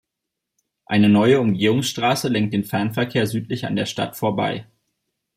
Eine neue Umgehungsstraße lenkt den Fernverkehr südlich an der Stadt vorbei.